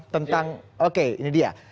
tentang oke ini dia